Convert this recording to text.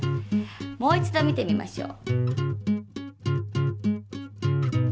もう一度見てみましょう。